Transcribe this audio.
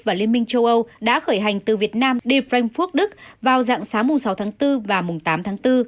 và liên minh châu âu đã khởi hành từ việt nam đi frankfurt đức vào dạng sáng mùng sáu tháng bốn và mùng tám tháng bốn